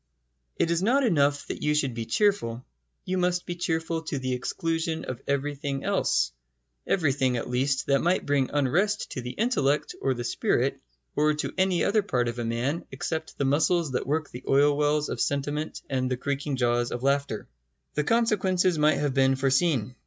It is not enough that you should be cheerful: you must be cheerful to the exclusion of everything else everything, at least, that might bring unrest to the intellect or the spirit or to any other part of a man except the muscles that work the oil wells of sentiment and the creaking jaws of laughter. The consequences might have been foreseen.